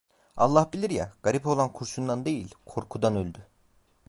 Allah bilir ya, garip oğlan kurşundan değil, korkudan öldü.